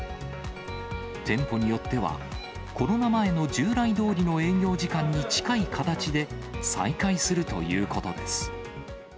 店舗によっては、コロナ前の従来どおりの営業時間に近い形で、再開するということです。